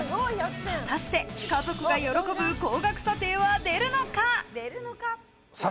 果たして家族が喜ぶ高額査定は出るのか？